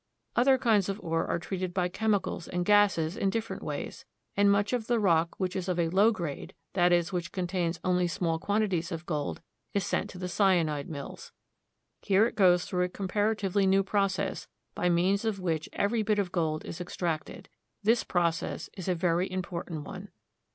Other kinds of ore are treated by chemicals and gases in different ways; and much of the rock which is of a low grade — that is, which contains only small quantities of gold — is sent to the cy anide mills. Here it goes through a comparatively new process, by means of which every bit of gold is extracted. This process is a very important one.